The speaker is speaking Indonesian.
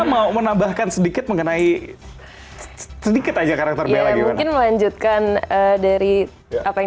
mau menambahkan sedikit mengenai sedikit aja karakter bella mungkin melanjutkan dari apa yang